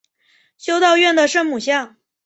修道院的圣母像。